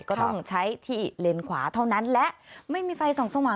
ก็ต้องใช้ที่เลนขวาเท่านั้นและไม่มีไฟส่องสว่าง